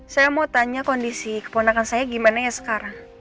saya mau tanya kondisi keponakan saya gimana ya sekarang